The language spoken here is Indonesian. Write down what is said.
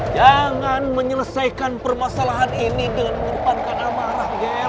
jangan menyelesaikan permasalahan ini dengan mengumpankan amarah ger